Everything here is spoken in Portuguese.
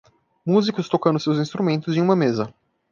Músicos tocando seus instrumentos em uma mesa.